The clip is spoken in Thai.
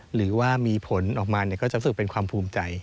หรือว่ามีผลออกมาก็จะรู้สึกเป็นความภูมิใจ